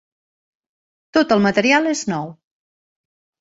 Tot el material és nou.